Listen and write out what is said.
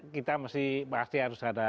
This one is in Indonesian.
kita pasti harus ada